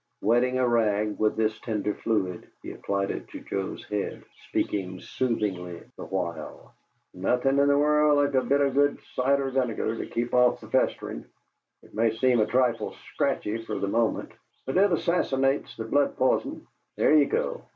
Wetting a rag with this tender fluid, he applied it to Joe's head, speaking soothingly the while. "Nothing in the world like a bit o' good cider vinegar to keep off the festerin'. It may seem a trifle scratchy fer the moment, but it assassinates the blood p'ison. There ye go!